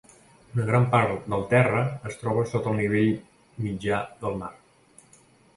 Una gran part del terra es troba sota el nivell mitjà del mar.